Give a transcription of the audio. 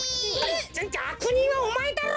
あくにんはおまえだろう！